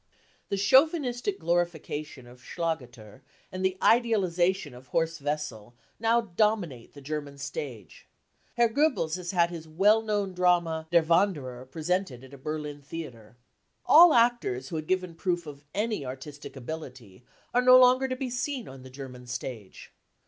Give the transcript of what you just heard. The chauvinistic glorifica tion of Schlageter and the idealisation of Horst Wessel now dominate the German stage. Herr Goebbels has had his " well known " drama Der Wanderer presented at a Berlin theatre. All actors who had given proof of any artistic ability are no longer to be seen on the German stage.